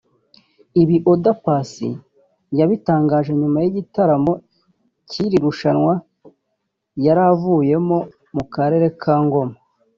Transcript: Ibi Oda Paccy yabitangaje nyuma y’igitaramo cy’iri rushanwa yari avuyemo mu karere ka Ngoma